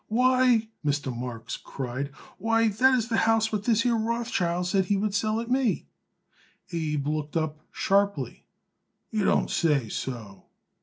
"Why!" Mr. Marks cried. "Why, that is the house what this here Rothschild said he would sell it me." Abe looked up sharply. "You don't say so?"